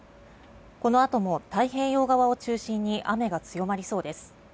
このあとも太平洋側を中心に雨が強まりそうです。